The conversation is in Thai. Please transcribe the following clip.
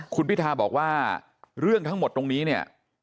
คุณพิทาบอกว่าเรื่องทั้งหมดตรงนี้เนี่ย